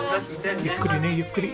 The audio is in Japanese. ゆっくりねゆっくり。